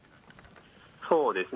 そうですね。